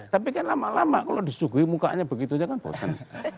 tapi kan lama lama kalau disuguhi mukanya begitu aja kan bosan